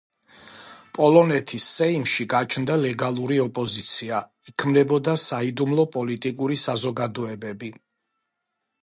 პოლონეთის სეიმში გაჩნდა ლეგალური ოპოზიცია, იქმნებოდა საიდუმლო პოლიტიკური საზოგადოებები.